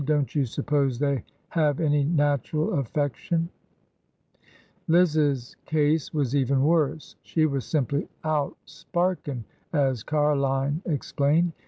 Don't you suppose they have any natural affection ?" Liz's case was even worse. She was simply out '' sparkin'," as Ca'line explained.